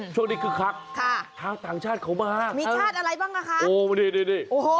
ช่วงนี้คือคักชาวต่างชาติเขามามีชาติอะไรบ้างล่ะคะ